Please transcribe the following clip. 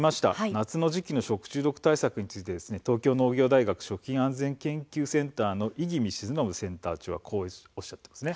夏の時期の食中毒対策について東京農業大学食品安全研究センターの五十君靜信センター長はこうおっしゃっています。